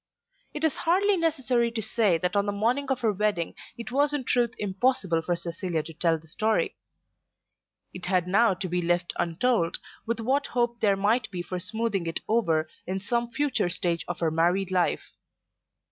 It is hardly necessary to say that on the morning of her wedding it was in truth impossible for Cecilia to tell the story. It had now to be left untold, with what hope there might be for smoothing it over in some future stage of her married life.